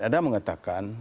ada yang mengatakan